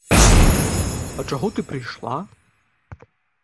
А чаго ты прыйшла?